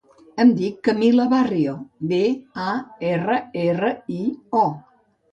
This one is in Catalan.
Em dic Camila Barrio: be, a, erra, erra, i, o.